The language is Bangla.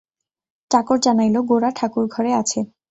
চাকর জানাইল, গোরা ঠাকুরঘরে আছে।